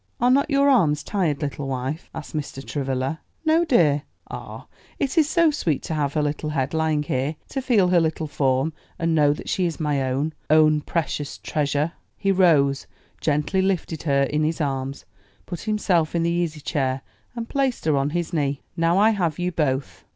"Are not your arms tired, little wife?" asked Mr. Travilla. "No, dear; ah, it is so sweet to have her little head lying here; to feel her little form, and know that she is my own, own precious treasure." He rose, gently lifted her in his arms, put himself in the easy chair and placed her on his knee. "Now I have you both.